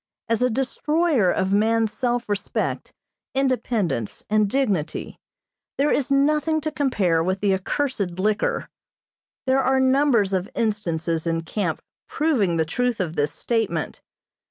As a destroyer of man's self respect, independence, and dignity, there is nothing to compare with the accursed liquor. There are numbers of instances in camp proving the truth of this statement.